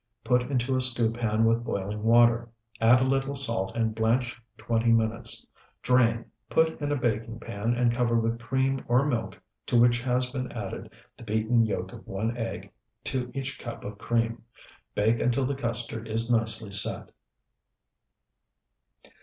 Put into a stew pan with boiling water; add a little salt and blanch twenty minutes. Drain, put in a baking pan, and cover with cream or milk to which has been added the beaten yolk of one egg to each cup of cream. Bake until the custard is nicely set.